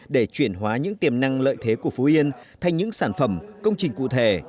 để chuyển hóa những tiềm năng lợi thế của phú yên thành những sản phẩm công trình cụ thể